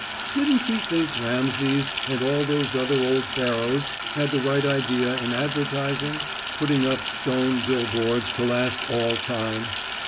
Didn't he think Rameses and all those other old Pharaohs had the right idea in advertising putting up stone billboards to last all time?